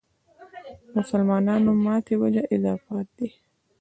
مسلمانانو ماتې وجه اضافات دي.